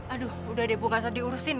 aduh udah deh bu gak usah diurusin